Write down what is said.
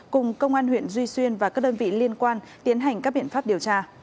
cùng công an huyện duy xuyên và các đơn vị liên quan tiến hành các biện pháp điều tra